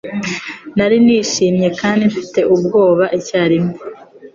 Nari nishimye kandi mfite ubwoba icyarimwe.